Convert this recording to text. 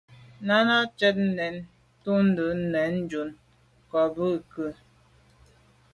Náná cɛ̌d nɛ̂n ntɔ́nə́ nə̀ jún á kə̂ bû kə̂.